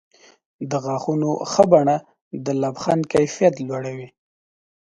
د غاښونو ښه بڼه د لبخند کیفیت لوړوي.